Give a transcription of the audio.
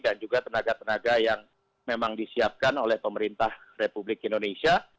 dan juga tenaga tenaga yang memang disiapkan oleh pemerintah republik indonesia